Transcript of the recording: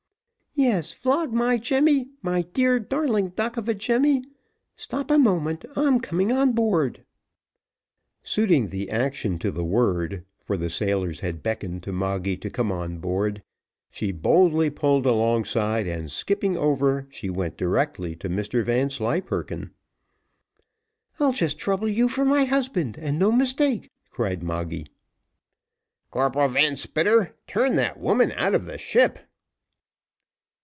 Yes, flog my Jemmy, my dear darling duck of a Jemmy stop a minute I'm coming aboard." Suiting the action to the word, for the sailors had beckoned to Moggy to come on board, she boldly pulled alongside, and skipping over, she went up direct to Mr Vanslyperken. "I'll just trouble you for my husband, and no mistake," cried Moggy. "Corporal Van Spitter, turn that woman out of the ship."